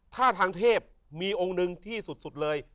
ถ้าทางเทพมีองค์หนึ่งที่สุดเลย